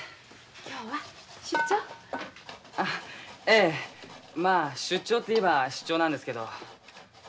ええまあ出張っていえば出張なんですけど。